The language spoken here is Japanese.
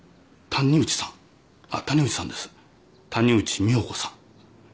谷内美保子さん。